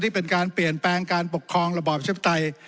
ที่เป็นการเปลี่ยนแปลงการปกครองระบอบเชฟไตย